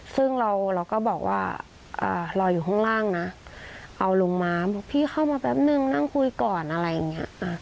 ซึ่งเราก็บอกว่ารออยู่ข้างล่างนะเอาลงมาบอกพี่เข้ามาแป๊บนึงนั่งคุยก่อนอะไรอย่างนี้